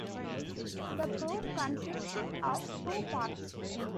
The proof consists of two parts.